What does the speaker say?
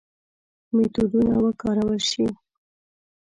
میتودونه وکارول شي.